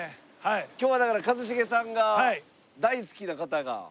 今日はだから一茂さんが大好きな方が。